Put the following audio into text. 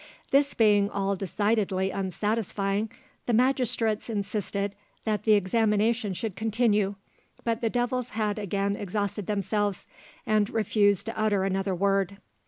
This being all decidedly unsatisfying, the magistrates insisted that the examination should continue, but the devils had again exhausted themselves, and refused to utter another word.